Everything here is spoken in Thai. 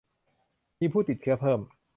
มีผู้ติดเชื้อเพิ่ม